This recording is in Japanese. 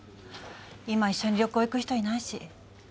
今一緒に旅行行く人いないし。